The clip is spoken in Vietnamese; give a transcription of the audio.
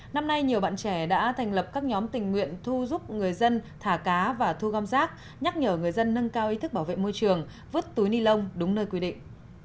năm nay nhiều bạn trẻ đã thành lập các nhóm tình nguyện thu giúp người dân thả cá và thu gom rác nhắc nhở người dân nâng cao ý thức bảo vệ môi trường vứt túi ni lông đúng nơi quy định